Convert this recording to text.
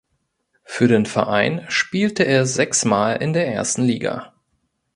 Für den Verein spielte er sechsmal in der ersten Liga.